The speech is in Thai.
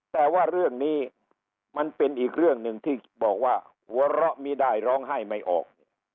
แต่ว่าเรื่องนี้มันเป็นอีกเรื่องหนึ่งที่บอกว่าหัวเราะไม่ได้ร้องไห้ไม่ออก